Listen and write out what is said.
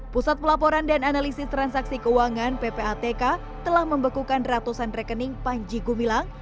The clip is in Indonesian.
pusat pelaporan dan analisis transaksi keuangan ppatk telah membekukan ratusan rekening panji gumilang